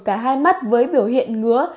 cả hai mắt với biểu hiện ngứa